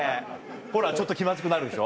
ほらちょっと気まずくなるでしょ。